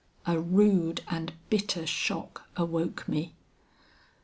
"A rude and bitter shock awoke me.